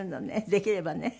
できればね。